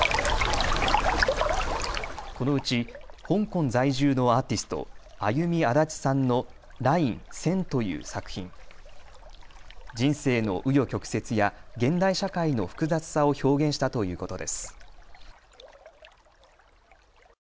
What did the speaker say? このうち香港在住のアーティスト、ＡＹＵＭＩＡＤＡＣＨＩさんのＬＩＮＥ線という作品、人生のう余曲折や現代社会の複雑さを表現したということです。